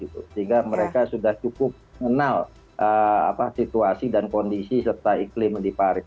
sehingga mereka sudah cukup mengenal situasi dan kondisi serta iklim di paris